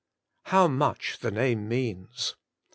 How much the name means!